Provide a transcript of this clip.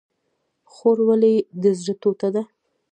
خور ولې د زړه ټوټه ده؟